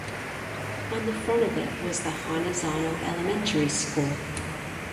On the front of it was the Hanazono Elementary School.